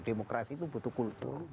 demokrasi itu butuh kultur